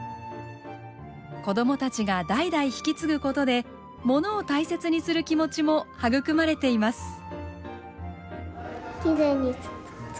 子供たちが代々引き継ぐことでものを大切にする気持ちも育まれています。